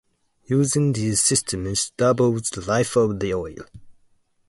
Using these systems doubles the life of the oil.